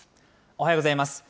おはようございます。